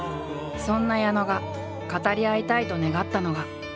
そんな矢野が語り合いたいと願ったのが。